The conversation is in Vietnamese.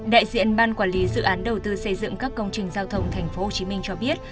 đại diện ban quản lý dự án đầu tư xây dựng các công trình giao thông tp hcm cho biết